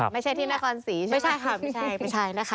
ไม่ใช่ที่หน้าการสีใช่มั้ย